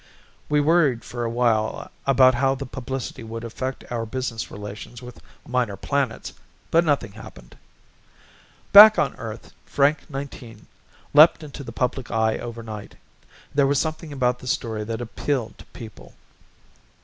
We worried for a while about how the publicity would affect our business relations with Minor Planets but nothing happened. Back on Earth Frank Nineteen leaped into the public eye overnight. There was something about the story that appealed to people.